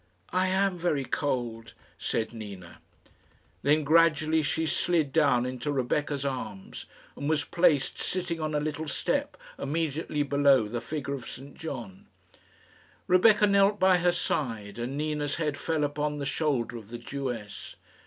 "I am very cold," said Nina. Then gradually she slid down into Rebecca's arms, and was placed sitting on a little step immediately below the figure of St John. Rebecca knelt by her side, and Nina's head fell upon the shoulder of the Jewess.